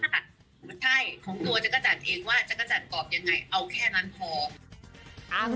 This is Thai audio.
ถูกว่าใช่ของตัวจักรจันอย่างว่างว่าจักรจันกบยังไงเอาแค่นั้นพอ